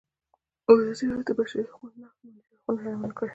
ازادي راډیو د د بشري حقونو نقض د منفي اړخونو یادونه کړې.